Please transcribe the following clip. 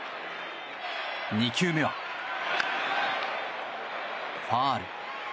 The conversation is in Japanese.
２球目は、ファウル。